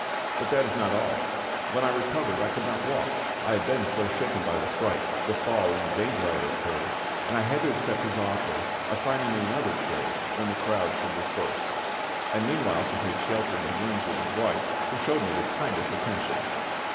But that is not all: when I recovered I could not walk, I had been so shaken by the fright, the fall, and the danger I had incurred, and I had to accept his offer of finding me another chair when the crowd should disperse, and meanwhile to take shelter in his rooms with his wife, who showed me the kindest attention."